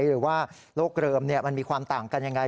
หรือว่าโลกเริมมันมีความต่างกันยังไง